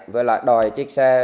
với lại đòi chiếc xe